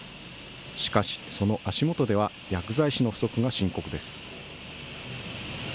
しかし、その足元では薬剤師の不足が深刻です。